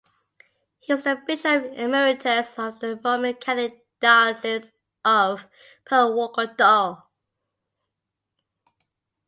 He was the bishop emeritus of the Roman Catholic Diocese of Purwokerto.